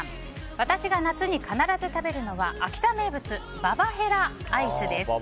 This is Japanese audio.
私が夏に必ず食べるのは秋田名物ババヘラアイスです。